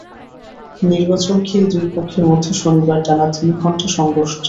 নির্বাচন ঘিরে দুই পক্ষের মধ্যে শনিবার টানা তিন ঘণ্টা সংঘর্ষ চলে।